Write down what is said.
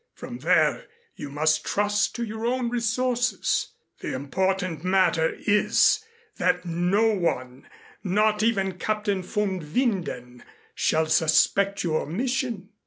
From there you must trust to your own resources. The important matter is that no one, not even Captain von Winden, shall suspect your mission.